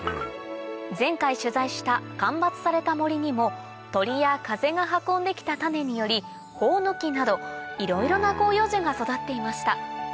前回取材した間伐された森にも鳥や風が運んで来た種によりホオノキなどいろいろな広葉樹が育っていました